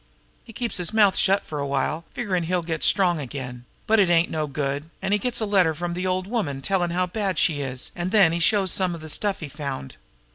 He keeps his mouth shut for a while, figurin' he'll get strong again, but it ain't no good, an' he gets a letter from the old woman tellin' how bad she is, an' then he shows some of the stuff he'd found.